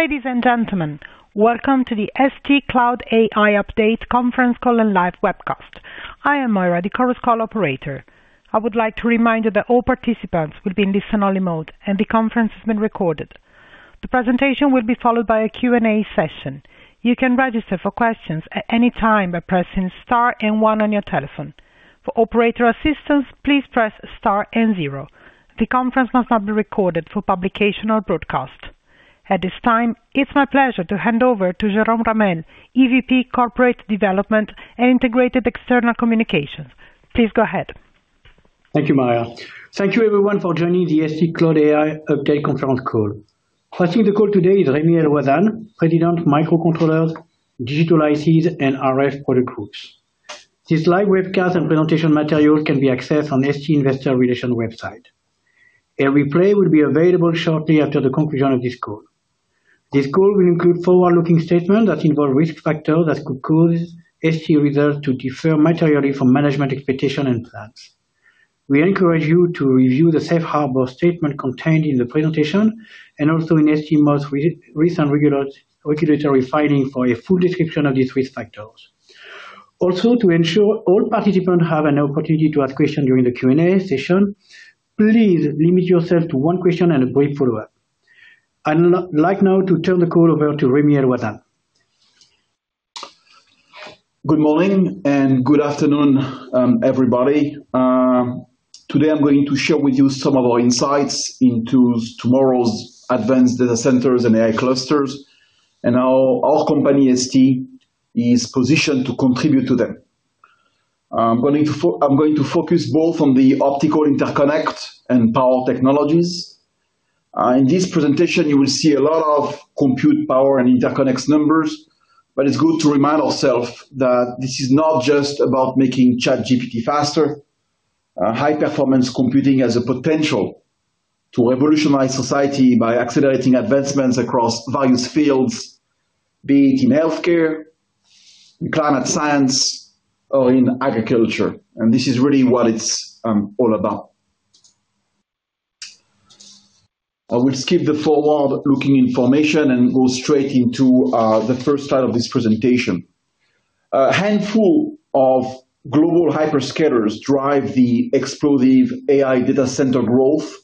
Ladies and gentlemen, welcome to the ST Cloud AI Update conference call and live webcast. I am Moira, the conference call operator. I would like to remind you that all participants will be in listen only mode, and the conference is being recorded. The presentation will be followed by a Q&A session. You can register for questions at any time by pressing star and one on your telephone. For operator assistance, please press star and zero. The conference must not be recorded for publication or broadcast. At this time, it's my pleasure to hand over to Jerome Ramel, EVP, Corporate Development and Integrated External Communications. Please go ahead. Thank you, Moira. Thank you everyone for joining the ST Cloud AI Update conference call. Hosting the call today is Remi El-Ouazzane, President, Microcontrollers, Digital ICs and RF products Group. This live webcast and presentation material can be accessed on ST Investor Relations website. A replay will be available shortly after the conclusion of this call. This call will include forward-looking statements that involve risk factors that could cause ST results to differ materially from management expectations and plans. We encourage you to review the safe harbor statement contained in the presentation and also in ST most recent regulatory filings for a full description of these risk factors. To ensure all participants have an opportunity to ask questions during the Q&A session, please limit yourself to one question and a brief follow-up. I'd like now to turn the call over to Remi El-Ouazzane. Good morning and good afternoon, everybody. Today I'm going to share with you some of our insights into tomorrow's advanced data centers and AI clusters and how our company, ST, is positioned to contribute to them. I'm going to focus both on the optical interconnect and power technologies. In this presentation, you will see a lot of compute power and interconnects numbers, but it's good to remind ourselves that this is not just about making ChatGPT faster. High performance computing has a potential to revolutionize society by accelerating advancements across various fields, be it in healthcare, in climate science or in agriculture. This is really what it's all about. I will skip the forward-looking information and go straight into the first part of this presentation. A handful of global hyperscalers drive the explosive AI data center growth,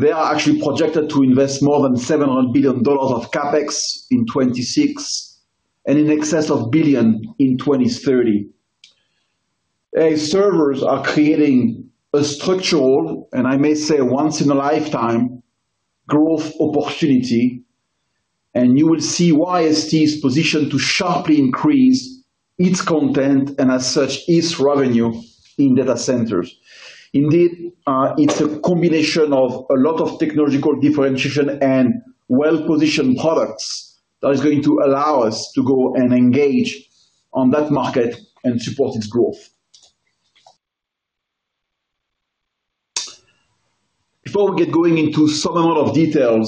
they are actually projected to invest more than $700 billion of CapEx in 2026 and in excess of $ billion in 2030. AI servers are creating a structural, I may say once in a lifetime, growth opportunity. You will see why ST is positioned to sharply increase its content and as such, its revenue in data centers. Indeed, it's a combination of a lot of technological differentiation and well-positioned products that is going to allow us to go and engage on that market and support its growth. Before we get going into some amount of details,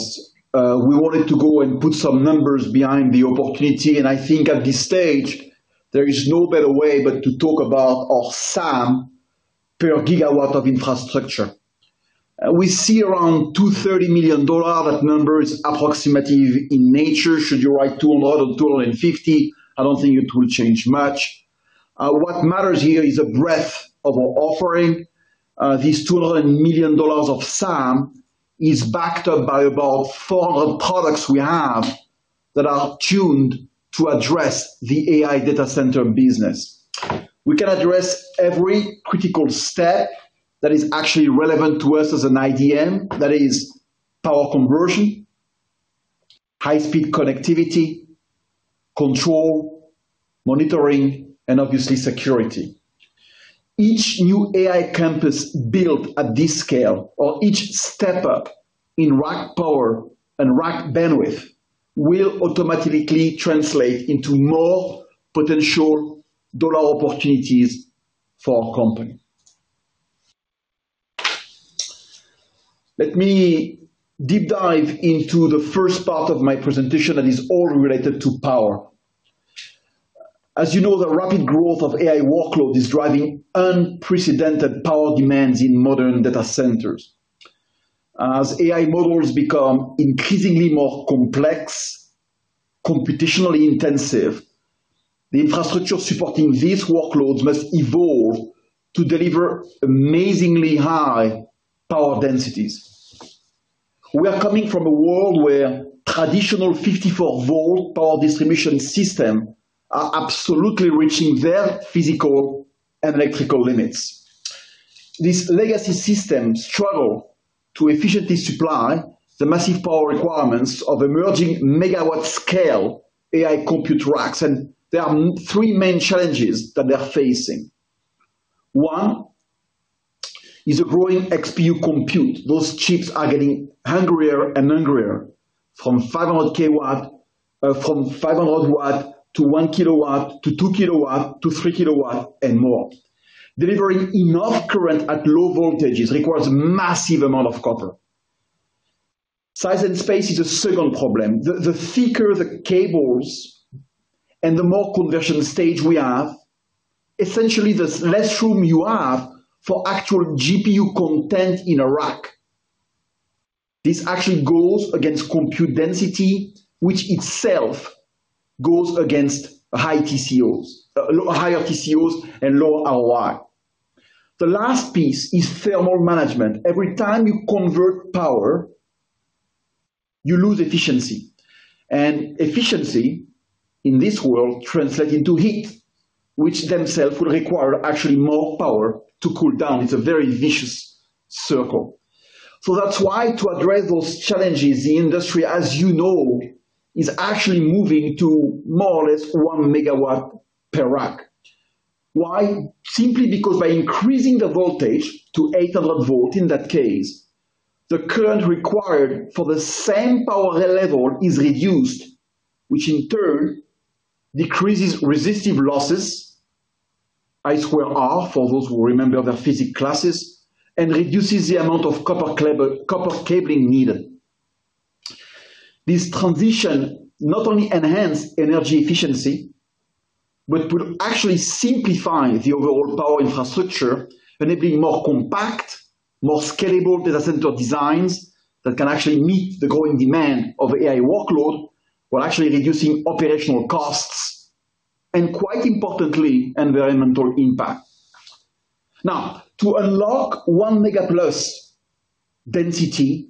we wanted to go and put some numbers behind the opportunity. I think at this stage there is no better way but to talk about our SAM per GW of infrastructure. We see around $230 million. That number is approximate in nature. Should you write $200 or $250, I don't think it will change much. What matters here is the breadth of our offering. This $200 million of SAM is backed up by about 400 products we have that are tuned to address the AI data center business. We can address every critical step that is actually relevant to us as an IDM. That is power conversion, high-speed connectivity, control, monitoring, and obviously security. Each new AI campus built at this scale or each step up in rack power and rack bandwidth, will automatically translate into more potential dollar opportunities for our company. Let me deep dive into the first part of my presentation that is all related to power. As you know, the rapid growth of AI workload is driving unprecedented power demands in modern data centers. As AI models become increasingly more complex, computationally intensive, the infrastructure supporting these workloads must evolve to deliver amazingly high power densities. We are coming from a world where traditional 54 volt power distribution system are absolutely reaching their physical and electrical limits. These legacy systems struggle to efficiently supply the massive power requirements of emerging MW-scale AI compute racks, and there are 3 main challenges that they are facing. One is a growing XPU compute. Those chips are getting hungrier and hungrier. From 500 W to 1 kW to 2 kW to 3 kW and more. Delivering enough current at low voltages requires massive amount of copper. Size and space is the second problem. The thicker the cables and the more conversion stage we have. Essentially, there's less room you have for actual GPU content in a rack. This actually goes against compute density, which itself goes against high TCOs, higher TCOs and lower ROI. The last piece is thermal management. Every time you convert power, you lose efficiency. Efficiency, in this world, translate into heat, which themselves will require actually more power to cool down. It's a very vicious circle. That's why to address those challenges, the industry, as you know, is actually moving to more or less 1 MW per rack. Why? Simply because by increasing the voltage to 800 volt, in that case, the current required for the same power level is reduced, which in turn decreases resistive losses, I square R, for those who remember their physics classes, and reduces the amount of copper cabling needed. This transition not only enhance energy efficiency, but will actually simplify the overall power infrastructure, enabling more compact, more scalable data center designs that can actually meet the growing demand of AI workload, while actually reducing operational costs, and quite importantly, environmental impact. To unlock 1 mega plus density,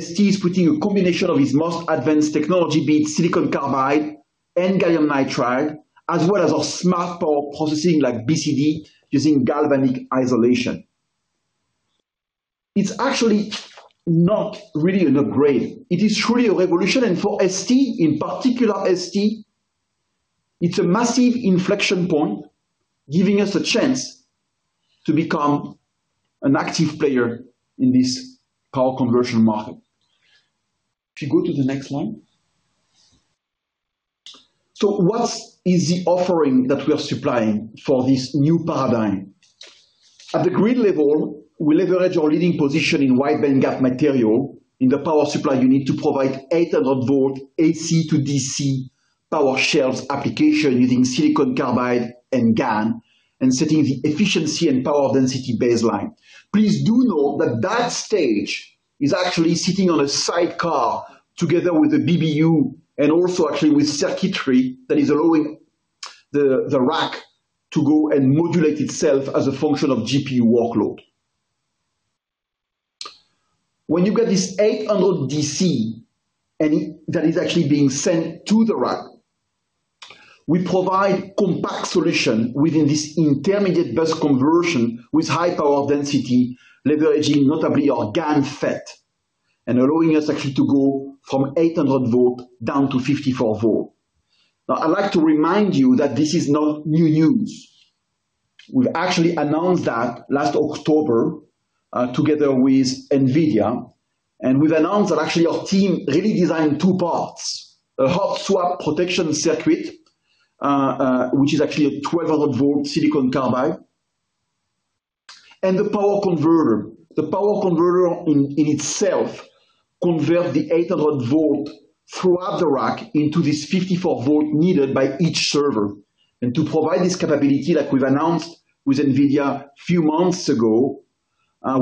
ST is putting a combination of its most advanced technology, be it silicon carbide and gallium nitride, as well as our smart power processing like BCD using galvanic isolation. It's actually not really an upgrade. It is truly a revolution. For ST, in particular ST, it's a massive inflection point, giving us a chance to become an active player in this power conversion market. You go to the next one. What is the offering that we are supplying for this new paradigm? At the grid level, we leverage our leading position in wide bandgap material. In the power supply, you need to provide 800 volt AC to DC power shelves application using silicon carbide and GaN, and setting the efficiency and power density baseline. Please do know that that stage is actually sitting on a sidecar together with the BBU and also actually with circuitry that is allowing the rack to go and modulate itself as a function of GPU workload. When you get this 800 DC that is actually being sent to the rack, we provide compact solution within this intermediate bus conversion with high power density, leveraging notably our GaN FET, and allowing us actually to go from 800 volt down to 54 volt. Now, I'd like to remind you that this is not new news. We actually announced that last October, together with NVIDIA, and we've announced that actually our team really designed two parts: a hot swap protection circuit, which is actually a 1,200 volt silicon carbide, and the power converter. The power converter in itself convert the 800 volt throughout the rack into this 54 volt needed by each server. To provide this capability that we've announced with NVIDIA a few months ago,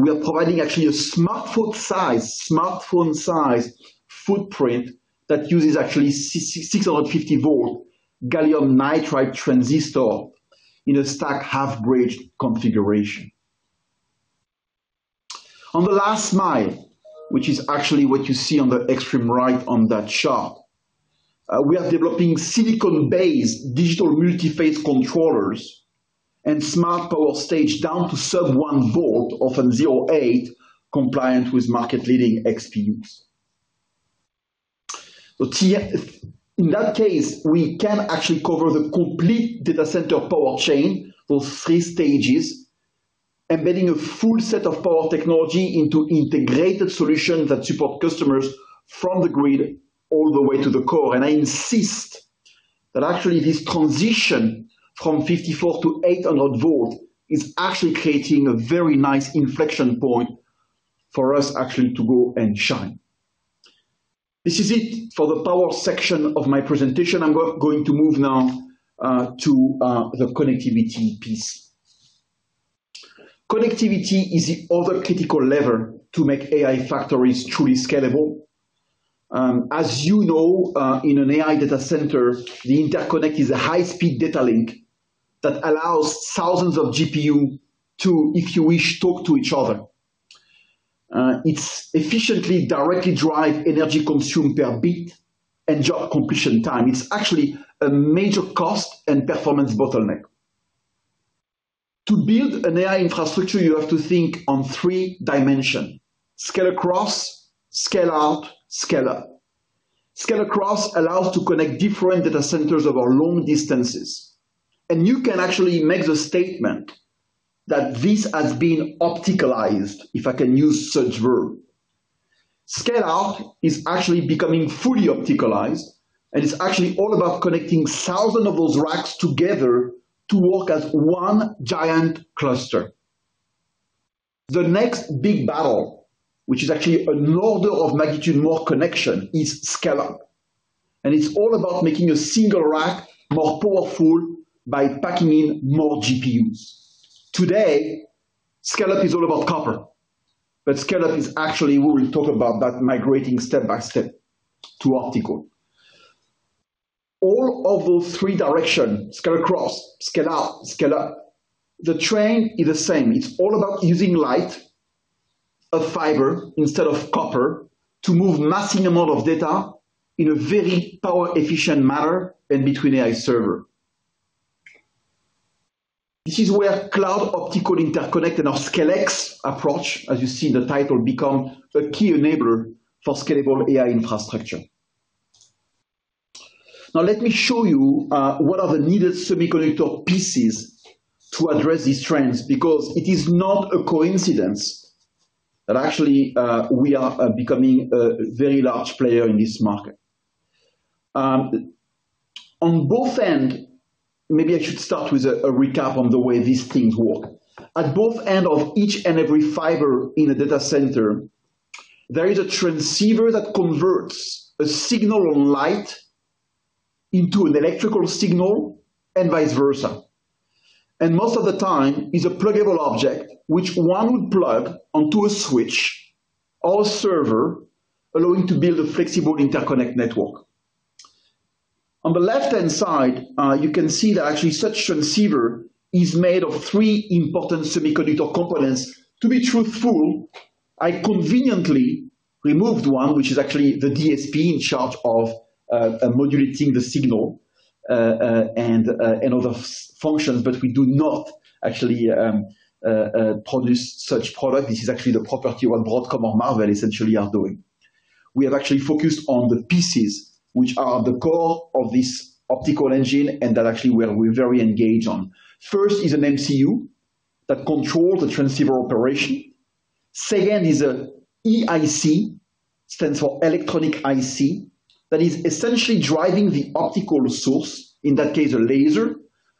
we are providing actually a smartphone-sized footprint that uses actually 650 volt gallium nitride transistor in a stack half-bridge configuration. On the last mile, which is actually what you see on the extreme right on that chart, we are developing silicon-based digital multi-phase controllers and smart power stage down to sub 1 volt, often 0.8, compliant with market leading XPUs. In that case, we can actually cover the complete data center power chain, those three stages, embedding a full set of power technology into integrated solution that support customers from the grid all the way to the core. I insist that actually this transition from 54 to 800 volt is actually creating a very nice inflection point for us actually to go and shine. This is it for the power section of my presentation. I'm going to move now to the connectivity piece. Connectivity is the other critical lever to make AI factories truly scalable. As you know, in an AI data center, the interconnect is a high-speed data link that allows thousands of GPU to, if you wish, talk to each other. It's efficiently directly drive energy consumed per bit and job completion time. It's actually a major cost and performance bottleneck. To build an AI infrastructure, you have to think on 3 dimension: scale across, scale out, scale up. Scale across allows to connect different data centers over long distances. You can actually make the statement that this has been opticalized, if I can use such verb. Scale out is actually becoming fully opticalized, and it's actually all about connecting thousands of those racks together to work as 1 giant cluster. The next big battle, which is actually an order of magnitude more connection, is scale-up, and it's all about making a 1 rack more powerful by packing in more GPUs. Today, scale-up is all about copper, but scale-up is actually, we will talk about that migrating step by step to optical. All of those 3 directions, scale-across, scale-out, scale-up, the trend is the same. It's all about using light of fiber instead of copper to move massive amount of data in a very power-efficient manner and between AI server. This is where cloud optical interconnect and our ScaleX approach, as you see in the title, become a key enabler for scalable AI infrastructure. Now, let me show you what are the needed semiconductor pieces to address these trends, because it is not a coincidence that actually we are becoming a very large player in this market. Maybe I should start with a recap on the way these things work. At both end of each and every fiber in a data center, there is a transceiver that converts a signal light into an electrical signal and vice versa. Most of the time is a pluggable object, which one would plug onto a switch or server, allowing to build a flexible interconnect network. On the left-hand side, you can see that actually such transceiver is made of three important semiconductor components. To be truthful, I conveniently removed one, which is actually the DSP in charge of modulating the signal and other functions, but we do not actually produce such product. This is actually the property what Broadcom or Marvell essentially are doing. We have actually focused on the pieces which are the core of this optical engine, and that actually we're very engaged on. First is an MCU that control the transceiver operation. Second is a EIC, stands for electronic IC, that is essentially driving the optical source, in that case a laser,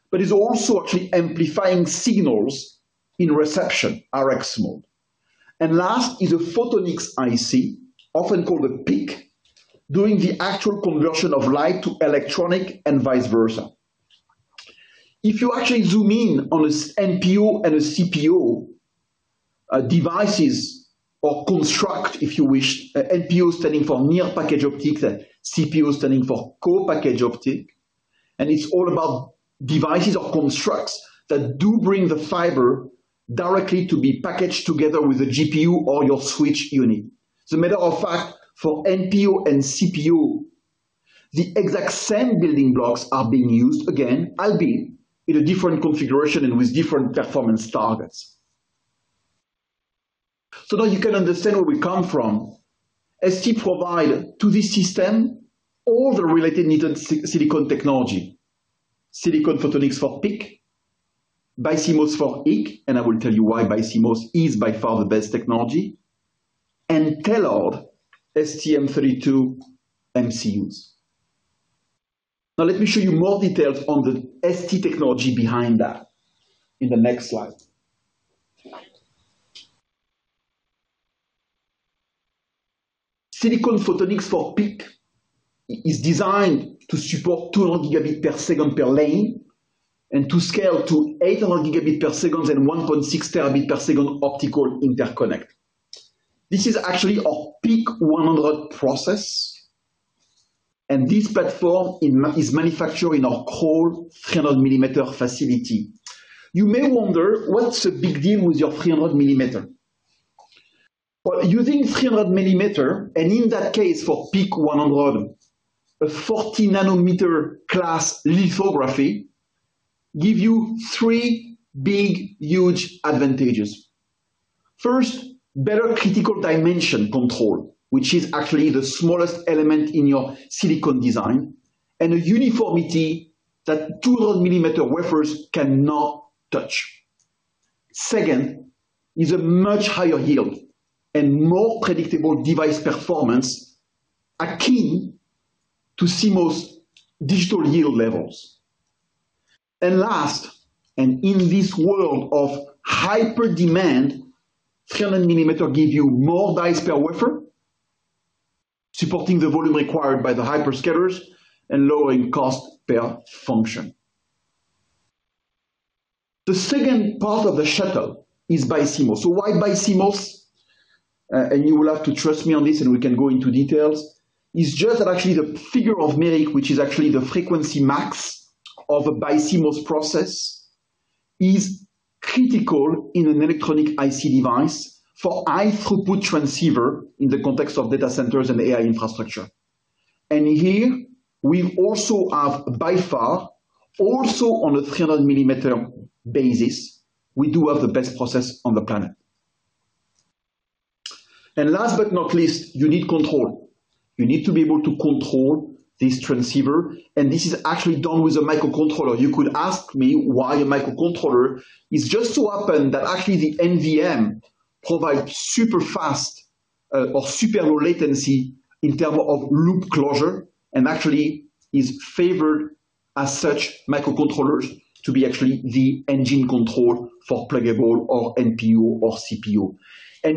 but is also actually amplifying signals in reception, RX mode. Last is a photonics IC, often called a PIC, doing the actual conversion of light to electronic and vice versa. If you actually zoom in on a NPO and a CPO devices or construct, if you wish. NPO standing for near package optic, then CPO standing for core package optic. It's all about devices or constructs that do bring the fiber directly to be packaged together with a GPU or your switch unit. As a matter of fact, for NPO and CPO, the exact same building blocks are being used. Again, albeit in a different configuration and with different performance targets. Now you can understand where we come from. ST provide to this system all the related needed silicon technology. Silicon photonics for PIC, BiCMOS for EIC, and I will tell you why BiCMOS is by far the best technology, and tailored STM32 MCUs. Now, let me show you more details on the ST technology behind that in the next slide. Silicon photonics for PIC is designed to support 200 Gbps per lane and to scale to 800 Gbps and 1.6 terabit per second optical interconnect. This is actually our PIC100 process. This platform is manufactured in our core 300 millimeter facility. You may wonder, what's the big deal with your 300 millimeter? Well, using 300 millimeter, and in that case for PIC100, a 40 nanometer class lithography give you 3 big, huge advantages. First, better critical dimension control, which is actually the smallest element in your silicon design, and a uniformity that 200 millimeter wafers cannot touch. Second, is a much higher yield and more predictable device performance, a key to CMOS digital yield levels. Last, and in this world of hyper demand, 300 millimeter give you more dice per wafer, supporting the volume required by the hyperscalers and lowering cost per function. The second part of the shuttle is BiCMOS. Why BiCMOS? You will have to trust me on this, and we can go into details. It's just that actually the figure of merit, which is actually the frequency max of a BiCMOS process, is critical in an Electronic IC device for high throughput transceiver in the context of data centers and AI infrastructure. Here we also have, by far, also on a 300 millimeter basis, we do have the best process on the planet. Last but not least, you need control. You need to be able to control this transceiver, and this is actually done with a microcontroller. You could ask me why a microcontroller. It just so happen that actually the NVM provide super fast, of super low latency in terms of loop closure, and actually is favored as such microcontrollers to be actually the engine control for pluggable or NPU or CPU.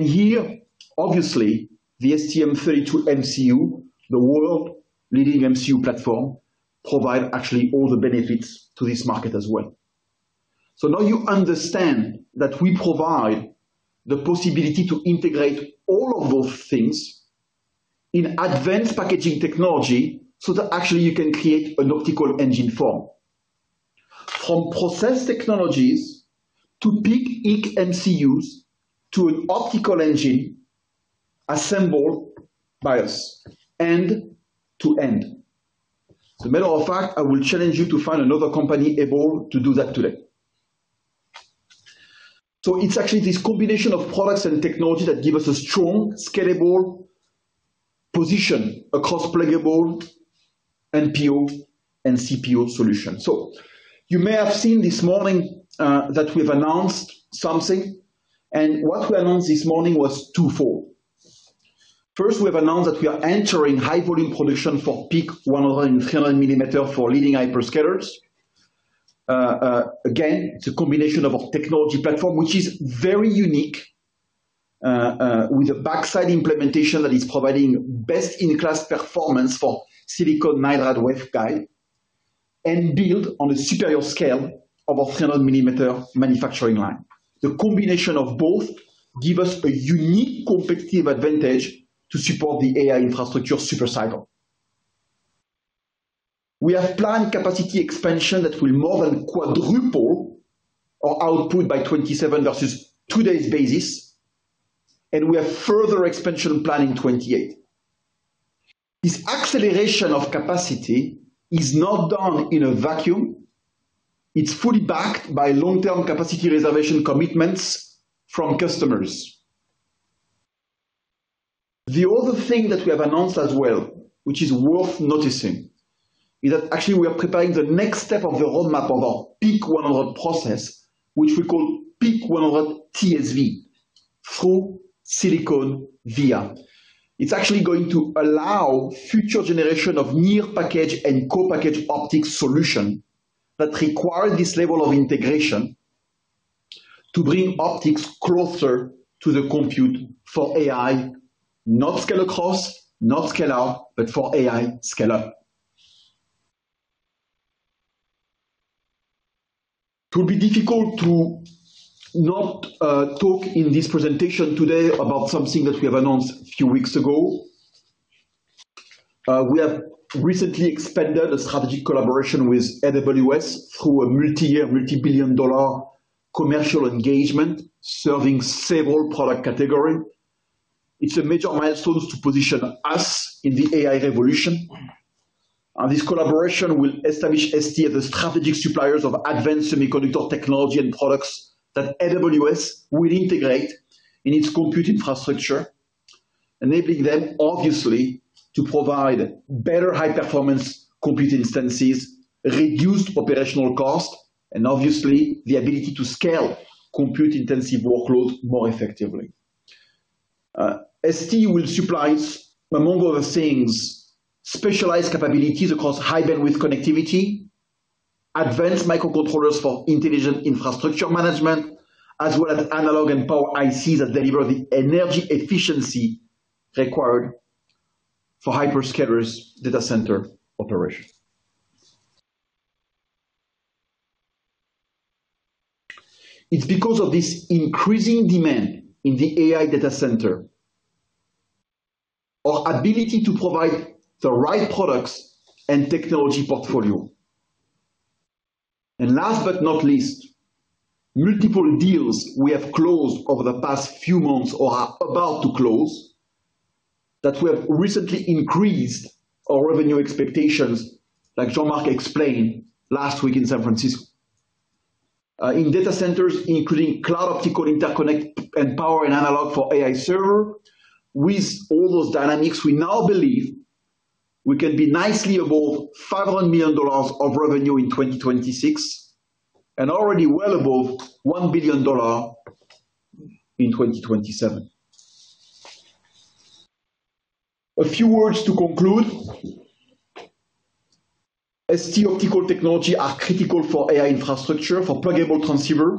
Here, obviously the STM32 MCU, the world-leading MCU platform, provide actually all the benefits to this market as well. Now you understand that we provide the possibility to integrate all of those things in advanced packaging technology, so that actually you can create an optical engine form. From process technologies to peak EC MCUs to an optical engine assembled by us end to end. As a matter of fact, I will challenge you to find another company able to do that today. It's actually this combination of products and technology that give us a strong, scalable position across pluggable NPU and CPU solutions. You may have seen this morning that we've announced something, and what we announced this morning was two-fold. First, we have announced that we are entering high-volume production for PIC100 and 300 millimeter for leading hyperscalers. Again, it's a combination of our technology platform, which is very unique, with a backside implementation that is providing best-in-class performance for silicon waveguide, and build on the superior scale of a 300 millimeter manufacturing line. The combination of both give us a unique competitive advantage to support the AI infrastructure super cycle. We have planned capacity expansion that will more than quadruple our output by 2027 versus today's basis, and we have further expansion plan in 2028. This acceleration of capacity is not done in a vacuum. It's fully backed by long-term capacity reservation commitments from customers. The other thing that we have announced as well, which is worth noticing, is that actually we are preparing the next step of the roadmap of our PC100 process, which we call PIC100 TSV, full silicon via. It's actually going to allow future generation of near package and co-package optics solution that require this level of integration to bring optics closer to the compute for AI, not scalar cost, not scalar, but for AI scalar. It will be difficult to not talk in this presentation today about something that we have announced a few weeks ago. We have recently expanded a strategic collaboration with AWS through a multi-year, multi-billion dollar commercial engagement, serving several product category. It's a major milestone to position us in the AI revolution. This collaboration will establish ST as the strategic suppliers of advanced semiconductor technology and products that AWS will integrate in its compute infrastructure, enabling them obviously to provide better high performance compute instances, reduced operational cost, and obviously the ability to scale compute intensive workloads more effectively. ST will supply, among other things, specialized capabilities across high bandwidth connectivity, advanced microcontrollers for intelligent infrastructure management, as well as analog and power ICs that deliver the energy efficiency required for hyperscalers data center operations. It's because of this increasing demand in the AI data center, our ability to provide the right products and technology portfolio. Last but not least, multiple deals we have closed over the past few months or are about to close, that we have recently increased our revenue expectations, like Jean-Marc explained last week in San Francisco. In data centers, including cloud optical interconnect and power and analog for AI server. With all those dynamics, we now believe we can be nicely above $500 million of revenue in 2026, and already well above $1 billion in 2027. A few words to conclude. ST optical technology are critical for AI infrastructure, for pluggable transceiver,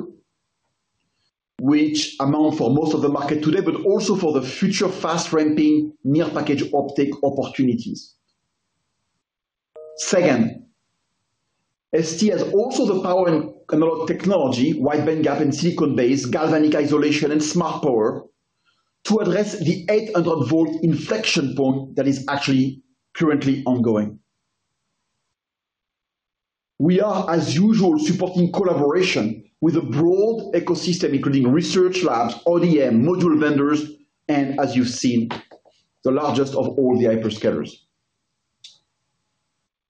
which amount for most of the market today, but also for the future fast ramping near package optic opportunities. Second, ST has also the power and analog technology, wide bandgap and silicon-based galvanic isolation and smart power, to address the 800 volt inflection point that is actually currently ongoing. We are, as usual, supporting collaboration with a broad ecosystem, including research labs, ODM, module vendors, and as you've seen, the largest of all the hyperscalers.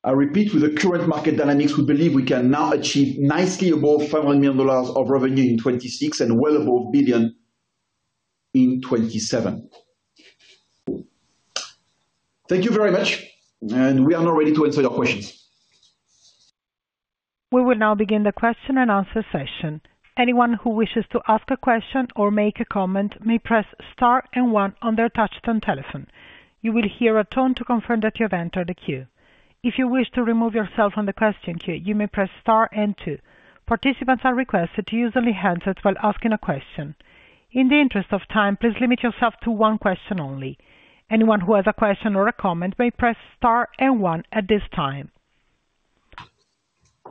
I repeat, with the current market dynamics, we believe we can now achieve nicely above $500 million of revenue in 2026 and well above $1 billion in 2027. Thank you very much. We are now ready to answer your questions. We will now begin the question and answer session. Anyone who wishes to ask a question or make a comment may press star and one on their touch-tone telephone. You will hear a tone to confirm that you have entered a queue. If you wish to remove yourself from the question queue, you may press star and two. Participants are requested to use only handsets while asking a question. In the interest of time, please limit yourself to one question only. Anyone who has a question or a comment may press star and one at this time.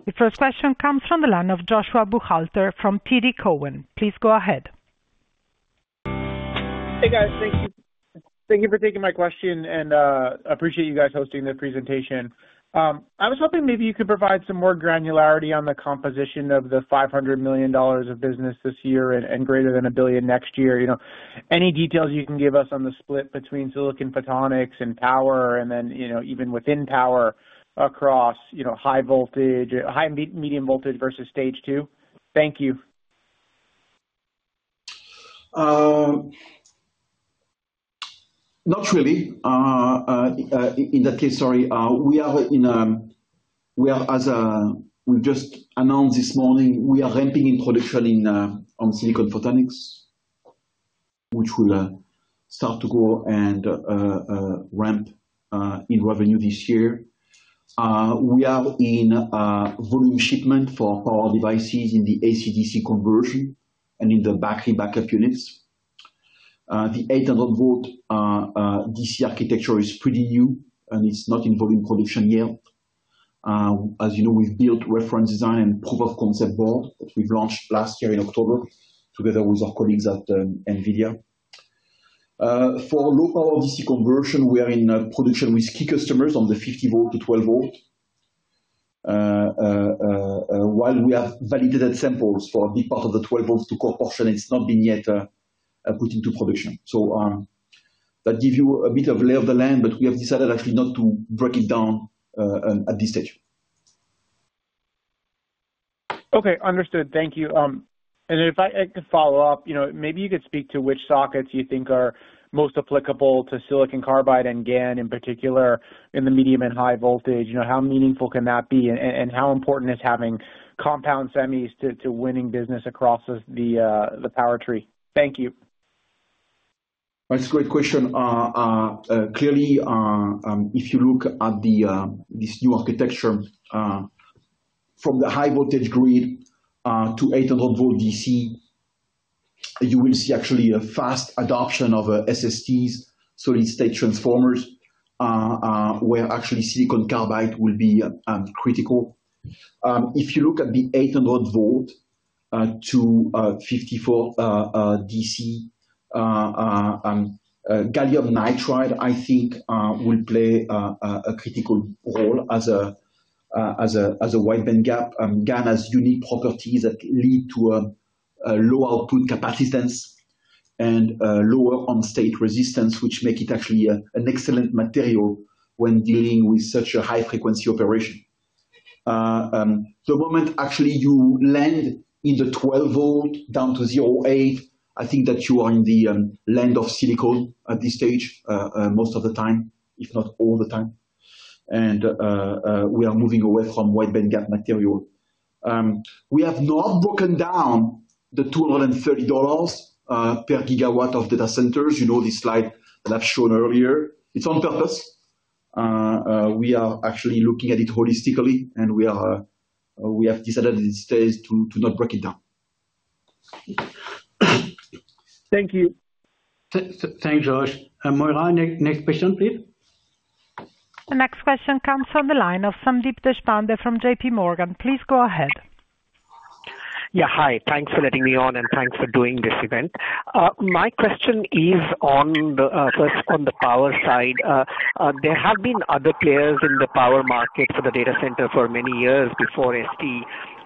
The first question comes from the line of Joshua Buchalter from TD Cowen. Please go ahead. Hey, guys. Thank you for taking my question and appreciate you guys hosting the presentation. I was hoping maybe you could provide some more granularity on the composition of the $500 million of business this year and greater than $1 billion next year. You know, any details you can give us on the split between silicon photonics and power and then, you know, even within power across, you know, high voltage, medium voltage versus stage two? Thank you. Not really. In that case, sorry. We just announced this morning we are ramping in production on silicon photonics, which will start to grow and ramp in revenue this year. We are in volume shipment for power devices in the AC-DC conversion and in the battery backup units. The 800 volt DC architecture is pretty new and it's not involved in production yet. As you know, we've built reference design and proof of concept board that we've launched last year in October together with our colleagues at Nvidia. For low power DC conversion, we are in production with key customers on the 50 volt to 12 volt. While we have validated samples for a big part of the 12 volts to go offshore, and it's not been yet, put into production. That gives you a bit of lay of the land, but we have decided actually not to break it down at this stage. Okay, understood. Thank you. If I could follow up, you know, maybe you could speak to which sockets you think are most applicable to silicon carbide and GaN in particular in the medium and high voltage. You know, how meaningful can that be? And how important is having compound semis to winning business across the power tree? Thank you. That's a great question. Clearly, if you look at the this new architecture, from the high voltage grid, to 800 volt DC. You will see actually a fast adoption of SSTs, Solid-State Transformers, where actually silicon carbide will be critical. If you look at the 800 volt to 54 DC, gallium nitride, I think, will play a critical role as a wide bandgap. GaN has unique properties that lead to a low output capacitance and lower on-state resistance, which make it actually an excellent material when dealing with such a high frequency operation. The moment actually you land in the 12 volt down to 0.8, I think that you are in the land of silicon at this stage, most of the time, if not all the time. We are moving away from wide bandgap material. We have not broken down the $230 per GW of data centers. You know, the slide that I've shown earlier, it's on purpose. We are actually looking at it holistically, and we have decided at this stage to not break it down. Thank you. thank you, Josh. operator, next question, please. The next question comes from the line of Sandeep Deshpande from JP Morgan. Please go ahead. Yeah. Hi. Thanks for letting me on, and thanks for doing this event. My question is on the, first, on the power side. There have been other players in the power market for the data center for many years before ST.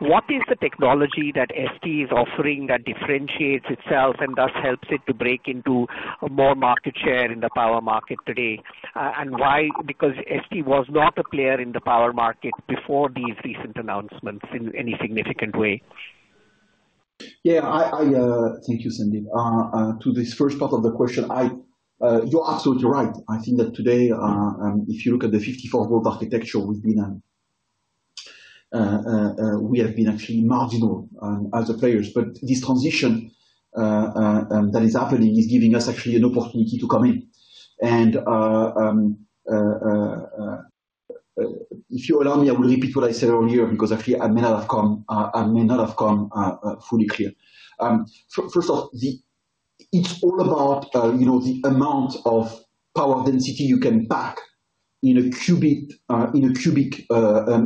What is the technology that ST is offering that differentiates itself and thus helps it to break into more market share in the power market today? Why? ST was not a player in the power market before these recent announcements in any significant way. Yeah. I, Thank you, Sandeep. To this first part of the question, you're absolutely right. I think that today, if you look at the 54 volt architecture, we have been actually marginal as a player. This transition that is happening is giving us actually an opportunity to come in. If you allow me, I will repeat what I said earlier, because actually I may not have come fully clear. First of the it's all about, you know, the amount of power density you can pack in a cubic, in a cubic,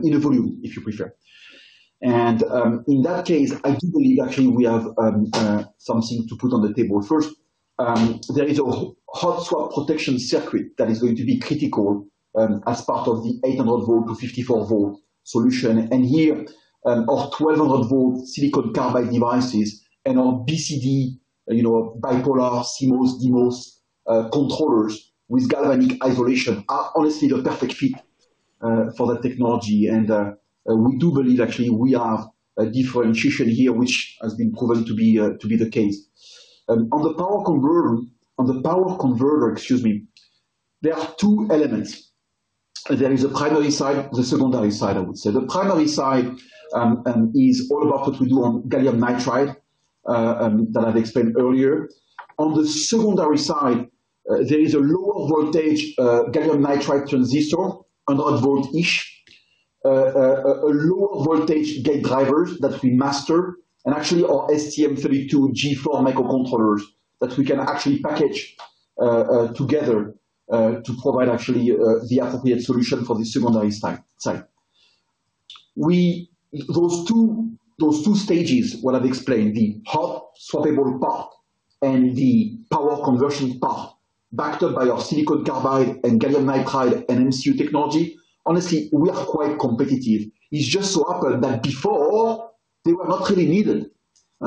in a volume, if you prefer. In that case, I think we actually have something to put on the table. First, there is a hot swap protection circuit that is going to be critical as part of the 800 volt to 54 volt solution. Here, our 1,200 volt silicon carbide devices and our BCD, you know, bipolar, CMOS, DMOS controllers with galvanic isolation are honestly the perfect fit for that technology. We do believe actually we are a differentiation here, which has been proven to be the case. On the power converter, excuse me. There are two elements. There is a primary side, the secondary side, I would say. The primary side is all about what we do on gallium nitride that I've explained earlier. On the secondary side, there is a lower voltage, gallium nitride transistor, another volt-ish, a lower voltage gate drivers that we master and actually our STM32G4 microcontrollers that we can actually package together to provide actually the appropriate solution for the secondary side. Those two stages, what I've explained, the hot swappable part and the power conversion part, backed up by our silicon carbide and gallium nitride and MCU technology. Honestly, we are quite competitive. It just so happened that before they were not really needed,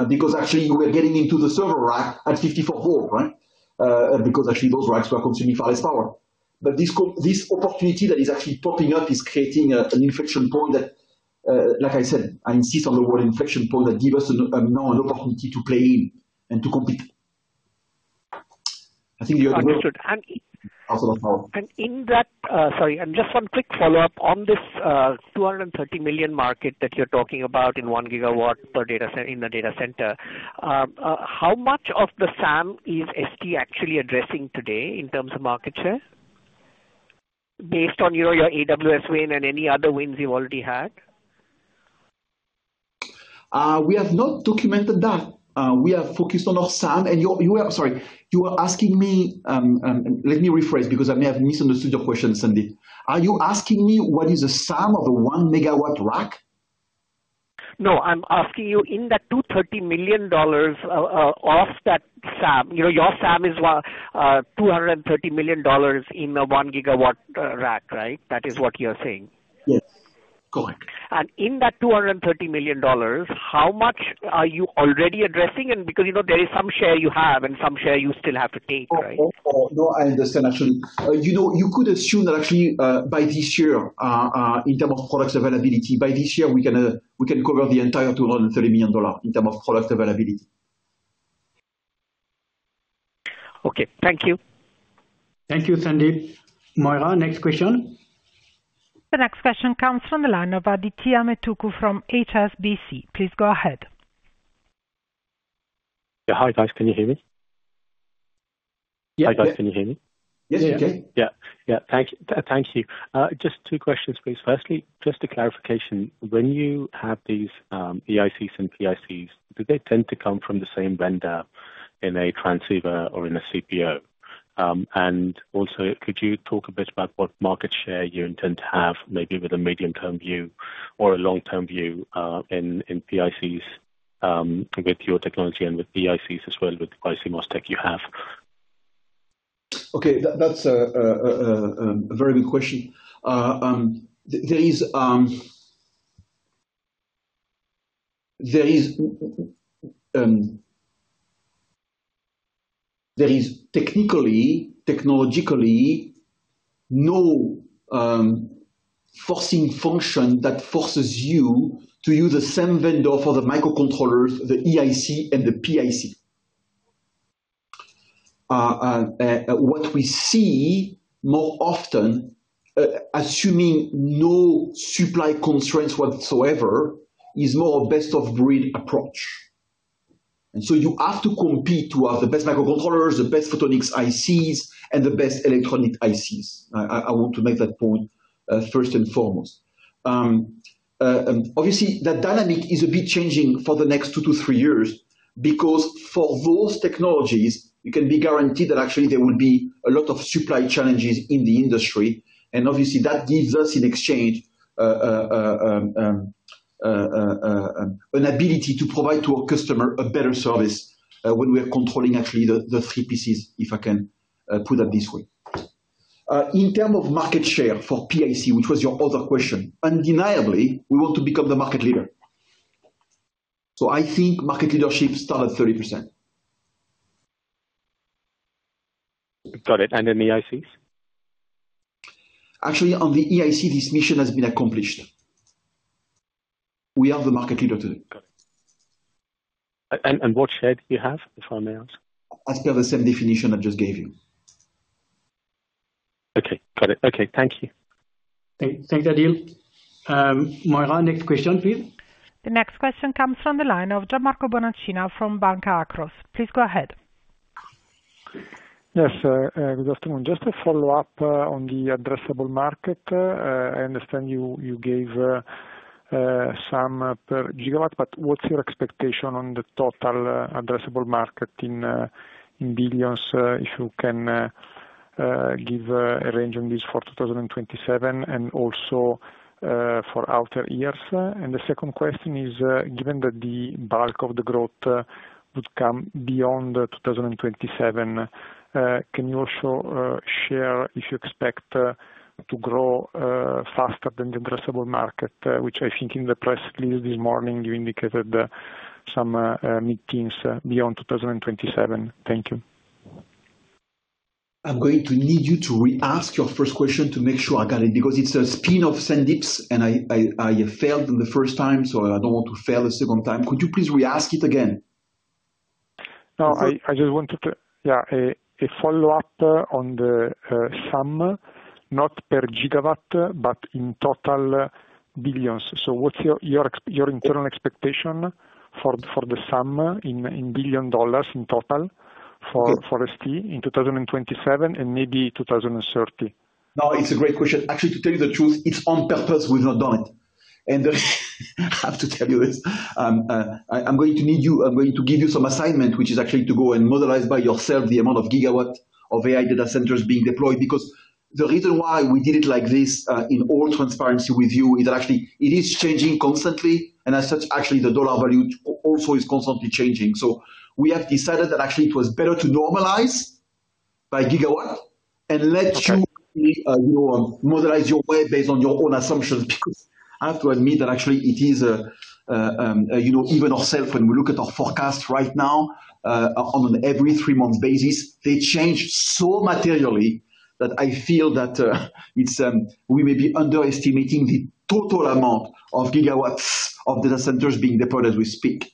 because actually you were getting into the server rack at 54 volts, right? Because actually those racks were consuming far less power. This opportunity that is actually popping up is creating an infection point that, like I said, I insist on the word infection point that give us an opportunity to play in and to compete. I think the other Understood. Also. Sorry. Just one quick follow-up. On this $230 million market that you're talking about in 1 GW per data center, in the data center, how much of the SAM is ST actually addressing today in terms of market share? Based on, you know, your AWS win and any other wins you've already had. We have not documented that. We are focused on our SAM. Sorry. You are asking me, let me rephrase because I may have misunderstood your question, Sandeep. Are you asking me what is the SAM of a 1 MW rack? No, I'm asking you in that $230 million of that SAM. You know, your SAM is $230 million in a 1 GW rack, right? That is what you're saying. Yes. Correct. In that $230 million, how much are you already addressing? Because, you know, there is some share you have and some share you still have to take, right? I understand, actually. You know, you could assume that actually, by this year, in terms of product availability, by this year, we can cover the entire $230 million in terms of product availability. Okay. Thank you. Thank you, Sandeep. Moira, next question. The next question comes from the line of Adithya Metuku from HSBC. Please go ahead. Yeah. Hi, guys. Can you hear me? Yeah. Hi, guys. Can you hear me? Yes, we can. Yeah. Thank you. Thank you. Just two questions, please. Firstly, just a clarification. When you have these, EICs and PICs, do they tend to come from the same vendor in a transceiver or in a CPO? Also, could you talk a bit about what market share you intend to have maybe with a medium-term view or a long-term view, in PICs, with your technology and with EICs as well, with the BiCMOS tech you have? Okay. That's a very good question. There is technically, technologically no forcing function that forces you to use the same vendor for the microcontrollers, the EIC and the PIC. What we see more often, assuming no supply constraints whatsoever, is more best of breed approach. You have to compete to have the best microcontrollers, the best photonics ICs, and the best electronic ICs. I want to make that point first and foremost. Obviously the dynamic is a bit changing for the next 2-3 years because for those technologies you can be guaranteed that actually there will be a lot of supply challenges in the industry, and obviously that gives us in exchange, an ability to provide to our customer a better service, when we are controlling actually the three pieces, if I can put that this way. In term of market share for PIC, which was your other question, undeniably, we want to become the market leader. I think market leadership starts at 30%. Got it. In the EICs? Actually, on the EIC, this mission has been accomplished. We are the market leader today. Got it. What share do you have, if I may ask? As per the same definition I just gave you. Okay. Got it. Okay. Thank you. Thanks, Aditya. Moira, next question, please. The next question comes from the line of Gianmarco Bonacina from Banca Akros. Please go ahead. Yes. Good afternoon. Just a follow-up on the addressable market. I understand you gave some per GW, but what's your expectation on the total addressable market in $ billions? If you can give a range on this for 2027 and also for outer years. The second question is, given that the bulk of the growth would come beyond 2027, can you also share if you expect to grow faster than the addressable market, which I think in the press release this morning you indicated some mid-teens beyond 2027. Thank you. I'm going to need you to re-ask your first question to make sure I got it, because it's a spin-off Sandeep's, and I failed him the first time, so I don't want to fail a second time. Could you please re-ask it again? No, I just wanted to. Yeah, a follow-up on the sum, not per GW, but in total billions. What's your internal expectation for the sum in billion dollars in total? Okay. for ST in 2027 and maybe 2030. No, it's a great question. Actually, to tell you the truth, it's on purpose we've not done it. I have to tell you this, I'm going to give you some assignment, which is actually to go and modelize by yourself the amount of GW of AI data centers being deployed. The reason why we did it like this, in all transparency with you is that actually it is changing constantly, and as such actually the dollar value also is constantly changing. We have decided that actually it was better to normalize by GW. Okay. You know, modelize your way based on your own assumptions. I have to admit that actually it is, you know, even ourself when we look at our forecast right now, on every 3 months basis, they change so materially that I feel that, it's, we may be underestimating the total amount of GW of data centers being deployed as we speak.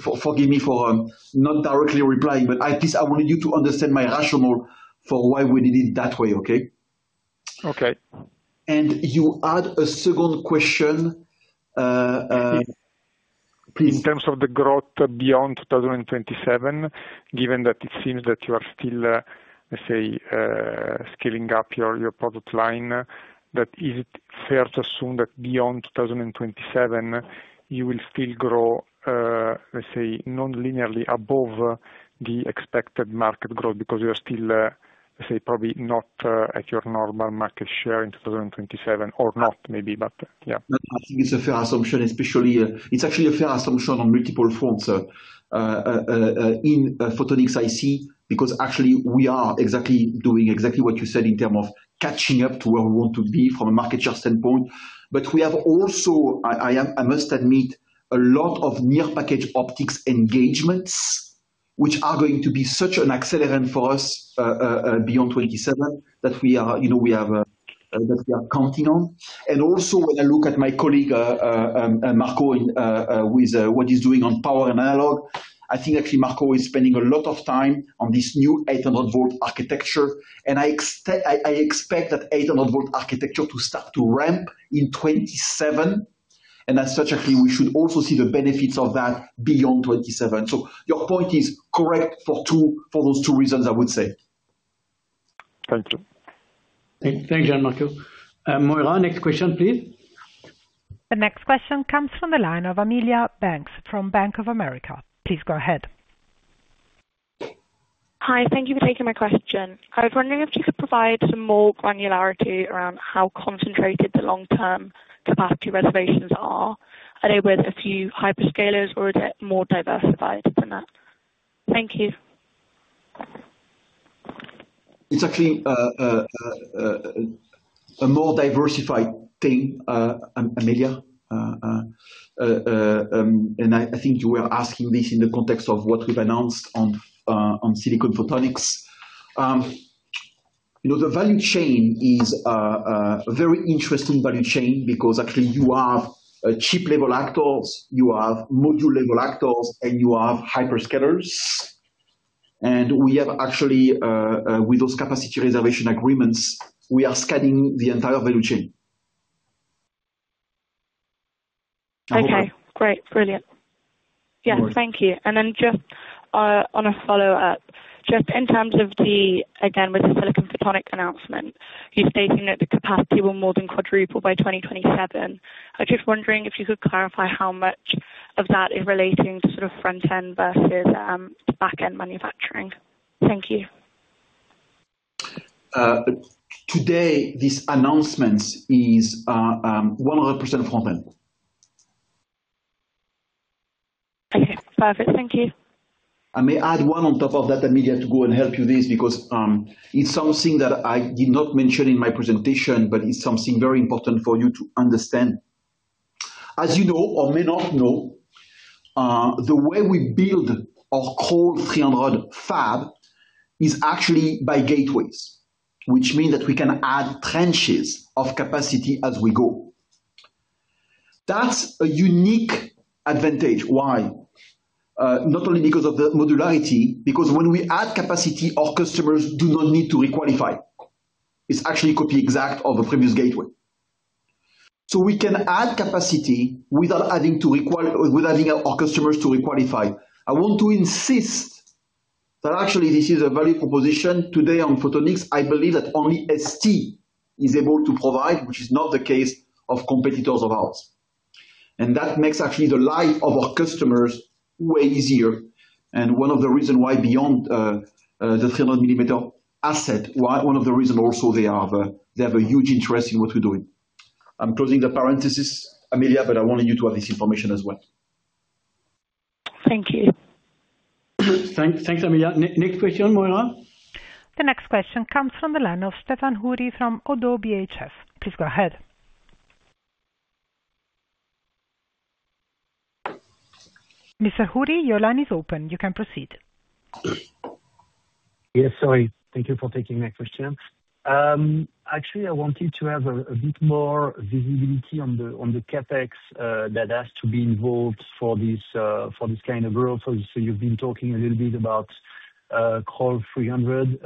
Forgive me for not directly replying, but at least I wanted you to understand my rationale for why we did it that way, okay? Okay. You had a second question? In- Please. In terms of the growth beyond 2027, given that it seems that you are still, let's say, scaling up your product line, that is it fair to assume that beyond 2027 you will still grow, let's say non-linearly above the expected market growth because you're still, let's say, probably not, at your normal market share in 2027 or not maybe, but yeah. That I think is a fair assumption, especially. It's actually a fair assumption on multiple fronts in photonics IC, because actually we are exactly doing exactly what you said in terms of catching up to where we want to be from a market share standpoint. We have also, I must admit, a lot of near package optics engagements, which are going to be such an accelerant for us beyond 2027 that we are, you know, we have that we are counting on. Also when I look at my colleague Marco, with what he's doing on power and analog, I think actually Marco is spending a lot of time on this new 800 volt architecture. I expect that 800 volt architecture to start to ramp in 2027, and as such, I think we should also see the benefits of that beyond 2027. Your point is correct for those two reasons, I would say. Thank you. Thank- Thank you, Gianmarco. Moira, next question, please. The next question comes from the line of Amelia Banks from Bank of America. Please go ahead. Hi. Thank you for taking my question. I was wondering if you could provide some more granularity around how concentrated the long-term capacity reservations are. Are they with a few hyperscalers or are they more diversified than that? Thank you. It's actually a more diversified thing, Amelia. I think you were asking this in the context of what we've announced on silicon photonics. You know, the value chain is a very interesting value chain because actually you have chip-level actors, you have module-level actors, and you have hyperscalers. We have actually, with those capacity reservation agreements, we are scanning the entire value chain. Okay. Great. Brilliant. All right. Yeah. Thank you. Then just, on a follow-up, just in terms of again, with the silicon photonics announcement, you're stating that the capacity will more than quadruple by 2027. I'm just wondering if you could clarify how much of that is relating to sort of front-end versus, back-end manufacturing. Thank you. Today, this announcement is, 100% front-end. Okay. Perfect. Thank you. I may add one on top of that, Amelia, to go and help you this because it's something that I did not mention in my presentation, but it's something very important for you to understand. As you know or may not know, the way we build our Crolles 300 fab is actually by gateways, which mean that we can add trenches of capacity as we go. That's a unique advantage. Why? Not only because of the modularity, because when we add capacity, our customers do not need to requalify. It's actually a copy exact of the previous gateway. We can add capacity without adding our customers to requalify. I want to insist that actually this is a value proposition today on photonics I believe that only ST is able to provide, which is not the case of competitors of ours. That makes actually the life of our customers way easier. One of the reason why beyond the 300 millimeter asset, one of the reason also they have a huge interest in what we're doing. I'm closing the parenthesis, Amelia. I wanted you to have this information as well. Thank you. Thanks, Amelia. Next question, Moira. The next question comes from the line of Stéphane Houri from ODDO BHF. Please go ahead. Mr. Houri, your line is open. You can proceed. Yes, sorry. Thank you for taking my question. Actually, I wanted to have a bit more visibility on the CapEx that has to be involved for this kind of growth. You've been talking a little bit about Crolles 300.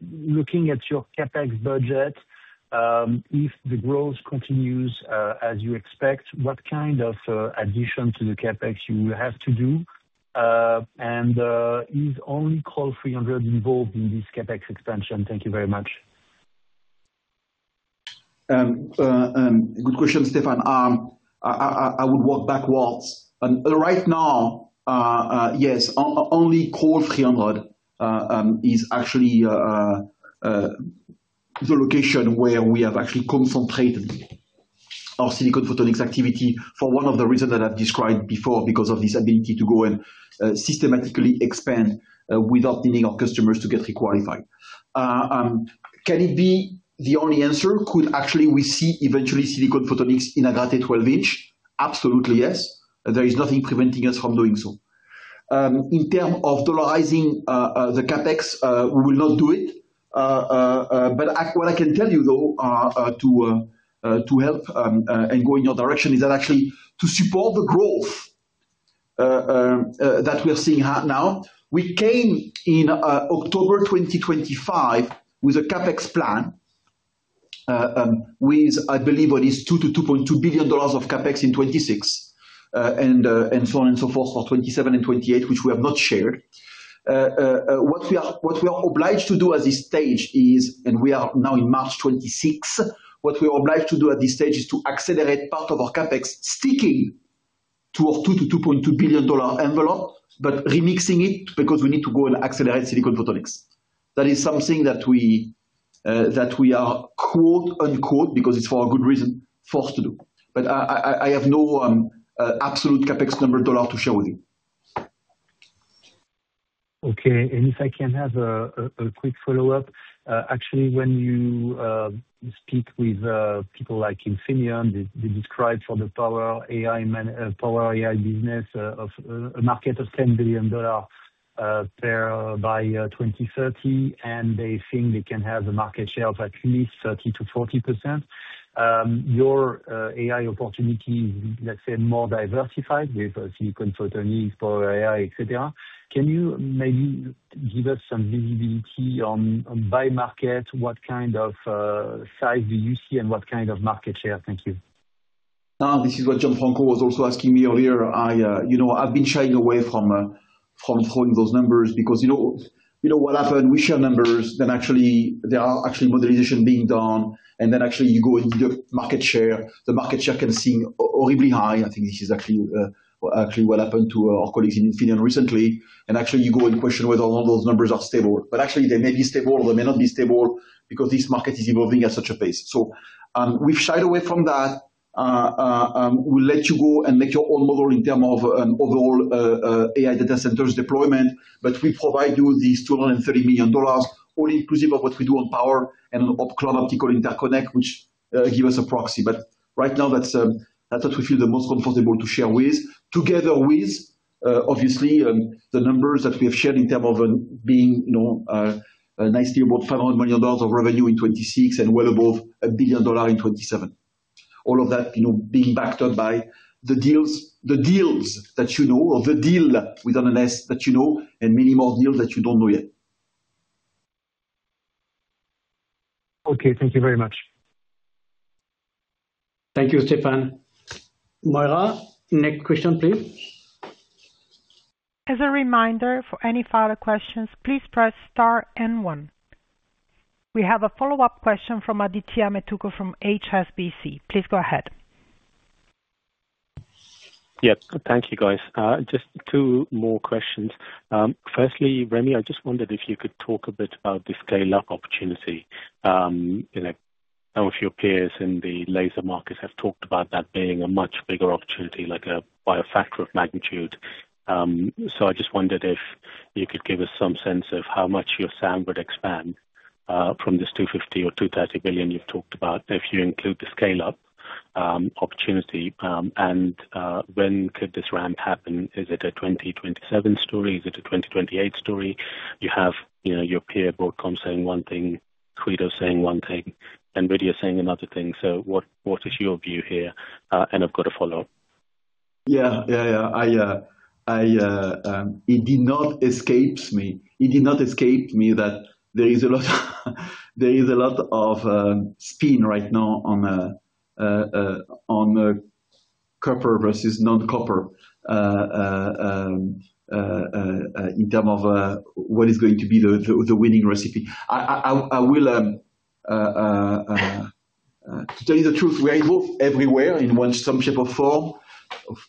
Looking at your CapEx budget, if the growth continues as you expect, what kind of addition to the CapEx you will have to do? Is only Crolles 300 involved in this CapEx expansion? Thank you very much. Good question, Stéphane. I would walk backwards. Right now, yes, only Crolles 300 is actually the location where we have actually concentrated our silicon photonics activity for one of the reasons that I've described before, because of this ability to go and systematically expand without needing our customers to get requalified. Can it be the only answer? Could actually we see eventually silicon photonics in Agrate 12-in? Absolutely, yes. There is nothing preventing us from doing so. In terms of dollarizing the CapEx, we will not do it. What I can tell you though, to help and go in your direction, is that actually to support the growth that we are seeing now, we came in October 2025 with a CapEx plan with I believe what is $2 billion-$2.2 billion of CapEx in 2026, and so on and so forth for 2027 and 2028, which we have not shared. What we are obliged to do at this stage is, and we are now in March 2026, to accelerate part of our CapEx, sticking to our $2 billion-$2.2 billion envelope, remixing it because we need to go and accelerate silicon photonics. That is something that we are, quote-unquote, because it's for a good reason, forced to do. I have no absolute CapEx number dollar to show you. Okay. If I can have a quick follow-up. Actually, when you speak with people like Infineon, they describe for the power AI business of a market of $10 billion there by 2030, and they think they can have a market share of at least 30%-40%. Your AI opportunity, let's say more diversified with silicon photonics, power AI, et cetera. Can you maybe give us some visibility on by market, what kind of size do you see and what kind of market share? Thank you. This is what Gianmarco was also asking me earlier. I, you know, I've been shying away from throwing those numbers because you know what happened, we share numbers, then actually there are actually modelization being done. Then actually you go into the market share. The market share can seem horribly high. I think this is actually what happened to our colleagues in Infineon recently. Actually you go and question whether all those numbers are stable. Actually they may be stable or they may not be stable because this market is evolving at such a pace. We've shied away from that. We'll let you go and make your own model in term of an overall AI data centers deployment. We provide you these $230 million only inclusive of what we do on power and cloud optical interconnect, which give us a proxy. Right now that's what we feel the most comfortable to share with. Together with, obviously, the numbers that we have shared in term of being, you know, nicely above $500 million of revenue in 2026 and well above $1 billion in 2027. All of that, you know, being backed up by the deals, the deals that you know of, the deal with NNS that you know and many more deals that you don't know yet. Okay, thank you very much. Thank you, Stéphane. Moira, next question, please. As a reminder for any further questions, please press star and one. We have a follow-up question from Adithya Metuku from HSBC. Please go ahead. Yeah. Thank you, guys. Just two more questions. Firstly, Remi, I just wondered if you could talk a bit about the scale-up opportunity. You know, some of your peers in the laser markets have talked about that being a much bigger opportunity, like a by a factor of magnitude. I just wondered if you could give us some sense of how much your SAM would expand from this $250 billion or $230 billion you've talked about, if you include the scale-up opportunity, and when could this ramp happen? Is it a 2027 story? Is it a 2028 story? You have, you know, your peer Broadcom saying one thing, Credo saying one thing, NVIDIA saying another thing. What, what is your view here? I've got a follow-up. Yeah. Yeah. Yeah. I It did not escape me that there is a lot of spin right now on copper versus non-copper in term of what is going to be the winning recipe. I will to tell you the truth, we are involved everywhere in one some shape or form.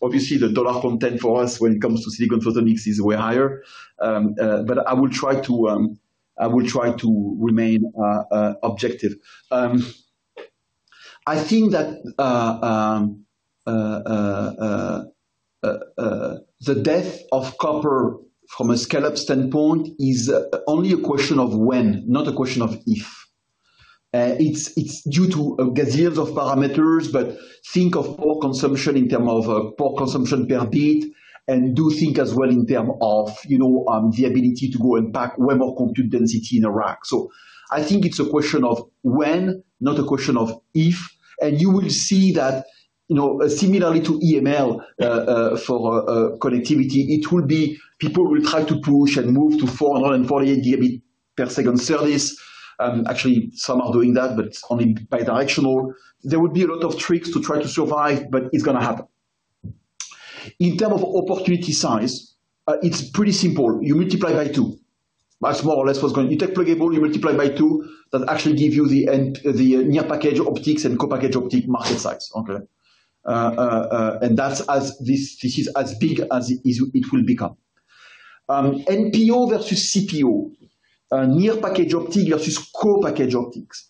Obviously, the dollar content for us when it comes to silicon photonics is way higher. But I will try to remain objective. I think that the death of copper from a scale-up standpoint is only a question of when, not a question of if. It's due to gazillions of parameters, but think of port consumption in term of port consumption per bit, and do think as well in term of, you know, the ability to go and pack way more compute density in a rack. I think it's a question of when, not a question of if, and you will see that, you know, similarly to EML, for connectivity, it will be people will try to push and move to 448 Gbps service. Actually some are doing that, but it's only bi-directional. There would be a lot of tricks to try to survive, but it's gonna happen. In term of opportunity size, it's pretty simple. You multiply by 2. That's more or less. You take pluggable, you multiply by 2, that actually give you the end, the near package optics and co-package optic market size. Okay? That's as this is as big as it is, it will become. NPO versus CPO. Near package optic versus co-package optics.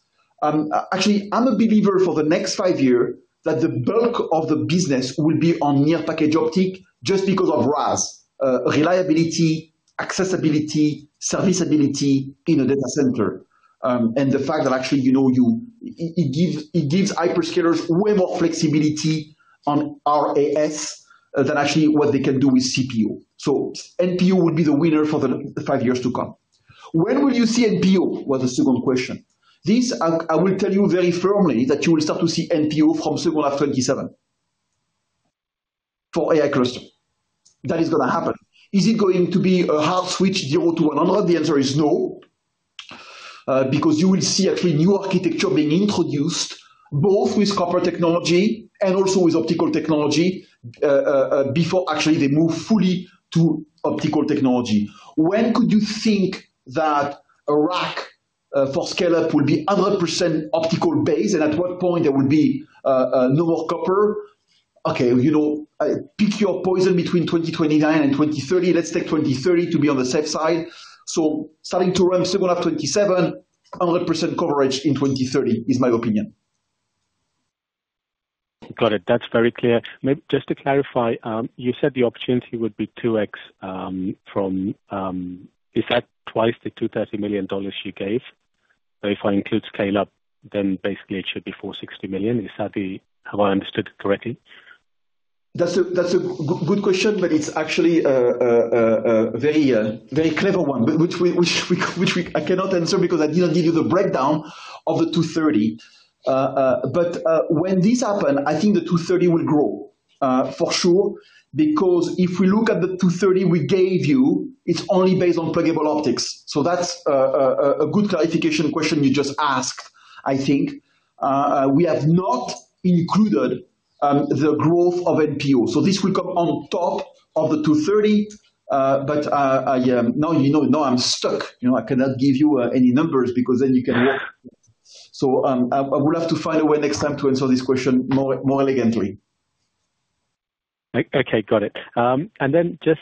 Actually, I'm a believer for the next five year that the bulk of the business will be on near package optic just because of RAS. Reliability, accessibility, serviceability in a data center. The fact that actually, you know, it gives hyperscalers way more flexibility on RAS than actually what they can do with CPO. NPO will be the winner for the five years to come. When will you see NPO was the second question. This I will tell you very firmly that you will start to see NPO from second half 2027 for AI cluster. That is gonna happen. Is it going to be a hard switch, 0 to 100? The answer is no. because you will see actually new architecture being introduced, both with copper technology and also with optical technology, before actually they move fully to optical technology. When could you think that a rack for scale-up will be 100% optical based, and at what point there will be no more copper? Okay, you know, pick your poison between 2029 and 2030. Let's take 2030 to be on the safe side. Starting to ramp second half 2027, 100% coverage in 2030 is my opinion. Got it. That's very clear. Just to clarify, you said the opportunity would be 2x, from... Is that twice the $230 million you gave? If I include scale-up, then basically it should be $460 million. Is that the... Have I understood correctly? That's a good question, but it's actually a very clever one, which we I cannot answer because I didn't give you the breakdown of the 230. When this happen, I think the 230 will grow for sure. If we look at the 230 we gave you, it's only based on pluggable optics. That's a good clarification question you just asked, I think. We have not included the growth of NPO, this will come on top of the 230. I, now, you know, now I'm stuck. You know, I cannot give you any numbers because then you can look. I will have to find a way next time to answer this question more elegantly. Okay, got it. Then just,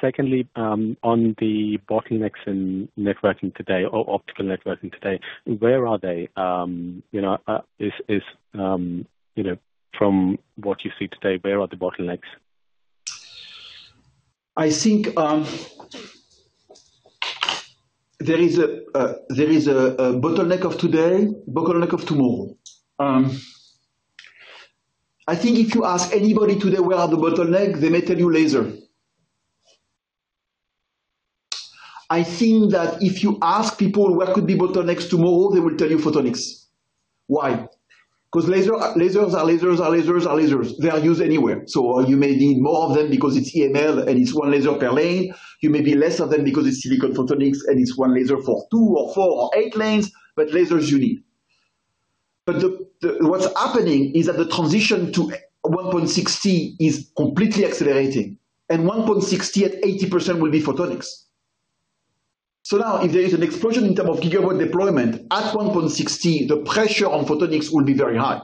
secondly, on the bottlenecks in networking today or optical networking today, where are they? You know, is, you know, from what you see today, where are the bottlenecks? I think there is a bottleneck of today, bottleneck of tomorrow. I think if you ask anybody today where are the bottleneck, they may tell you laser. I think that if you ask people what could be bottlenecks tomorrow, they will tell you photonics. Why? 'Cause lasers are lasers, are lasers, are lasers. They are used anywhere. You may need more of them because it's EML and it's 1 laser per lane. You may be less of them because it's silicon photonics and it's 1 laser for 2 or 4 or 8 lanes. Lasers you need. What's happening is that the transition to 1.6 T is completely accelerating, and 1.6 T at 80% will be photonics. Now, if there is an explosion in term of GW deployment, at 1.6 T, the pressure on photonics will be very high,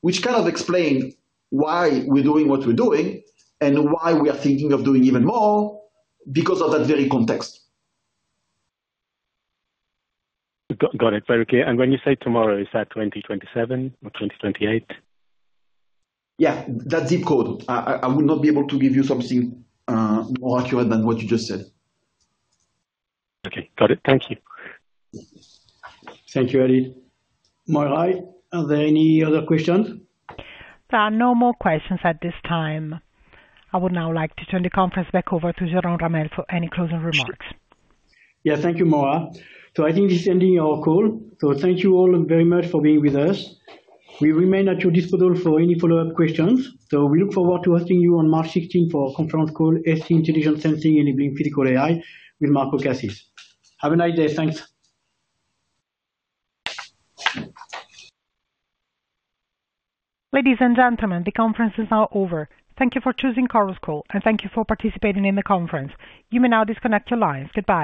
which kind of explain why we're doing what we're doing and why we are thinking of doing even more because of that very context. Got it. Very clear. When you say tomorrow, is that 2027 or 2028? Yeah. That decode. I will not be able to give you something more accurate than what you just said. Okay. Got it. Thank you. Thank you, Eric. Moira, are there any other questions? There are no more questions at this time. I would now like to turn the conference back over to Jerome Ramel for any closing remarks. Yeah. Thank you, Moira. I think this is ending our call. Thank you all very much for being with us. We remain at your disposal for any follow-up questions. We look forward to hosting you on March 16th for our conference call, ST Intelligent Sensing Enabling Physical AI with Marco Cassis. Have a nice day. Thanks. Ladies and gentlemen, the conference is now over. Thank you for choosing Chorus Call, and thank you for participating in the conference. You may now disconnect your lines. Goodbye.